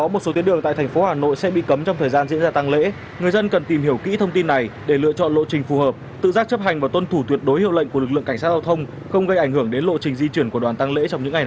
một số tuyến đường tại thành phố hà nội sẽ bị cấm trong thời gian diễn ra tăng lễ người dân cần tìm hiểu kỹ thông tin này để lựa chọn lộ trình phù hợp tự giác chấp hành và tuân thủ tuyệt đối hiệu lệnh của lực lượng cảnh sát giao thông không gây ảnh hưởng đến lộ trình di chuyển của đoàn tăng lễ trong những ngày này